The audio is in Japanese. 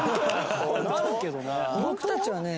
僕たちはね